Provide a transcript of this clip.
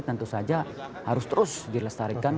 tentu saja harus terus dilestarikan